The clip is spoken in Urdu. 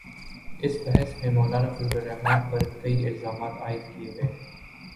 اس بحث میں مولانافضل الرحمن پر کئی الزامات عائد کئے گئے،